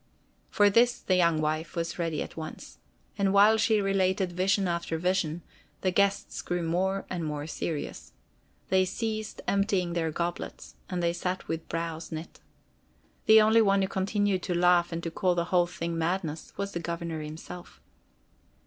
For this the young wife was ready at once. And while she related vision after vision, the guests grew more and more serious. They ceased emptying their goblets, and they sat with brows knit. The only one who continued to laugh and to call the whole thing madness, was the Governor himself.